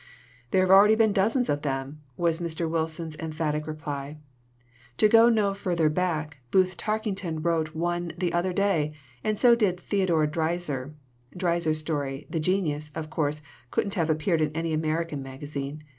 "There have already been dozens of them!" was Mr. Wilson's emphatic reply. "To go no farther back, Booth Tarkington wrote one the other day, and so did Theodore Dreiser. (Dreiser's story, 'The "Genius,"' of course couldn't have appeared in any American magazine.